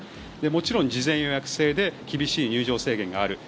もちろん事前予約制で厳しい入場制限がある。